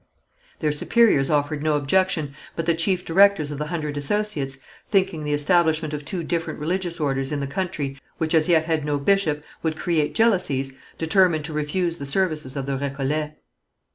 Their superiors offered no objection, but the chief directors of the Hundred Associates, thinking the establishment of two different religious orders in the country, which as yet had no bishop, would create jealousies, determined to refuse the services of the Récollets.